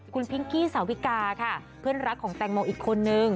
คุณพิงกี้สาวิกาค่ะเพื่อนรักของแตงโมอีกคนนึง